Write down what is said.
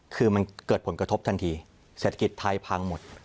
คือมันเกิดผลกระทบทันทีเศรษฐกิจไทยพังหมด